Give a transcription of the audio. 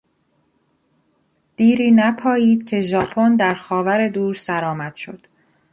دیری نپایید که ژاپن در خاور دور سرآمد شد.